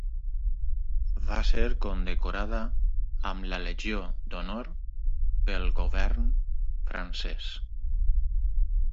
Va ser condecorada amb la Legió d'Honor pel govern francès.